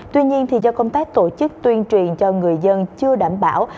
tuy nhiên do công tác tổ chức tuyên truyền cho người dân chưa đảm bảo